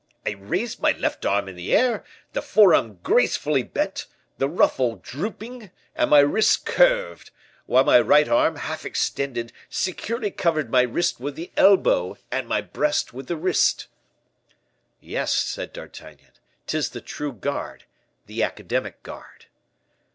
"I raised my left arm in the air, the forearm gracefully bent, the ruffle drooping, and my wrist curved, while my right arm, half extended, securely covered my wrist with the elbow, and my breast with the wrist." "Yes," said D'Artagnan, "'tis the true guard the academic guard."